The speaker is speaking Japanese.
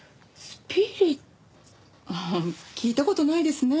聞いた事ないですね。